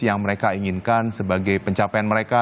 yang mereka inginkan sebagai pencapaian mereka